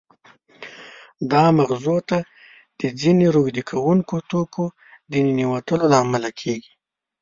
دا مغزو ته د ځینې روږدې کوونکو توکو د ننوتلو له امله کېږي.